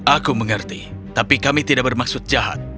aku mengerti tapi kami tidak bermaksud jahat